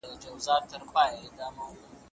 تش د ملي عايد زياتوالی د پرمختيا لپاره کافي نه دی.